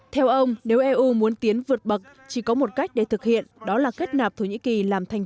theo ông nếu eu muốn tiến vượt bậc chỉ có một cách để thực hiện đó là kết nạp thổ nhĩ kỳ làm thành